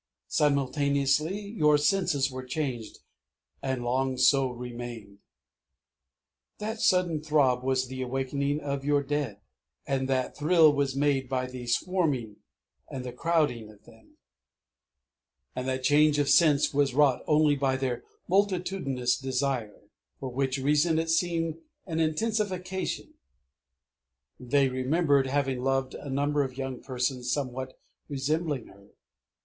Simultaneously your senses were changed, and long so remained. That sudden throb was the awakening of your dead; and that thrill was made by the swarming and the crowding of them; and that change of sense was wrought only by their multitudinous desire, for which reason it seemed an intensification. They remembered having loved a number of young persons somewhat resembling her.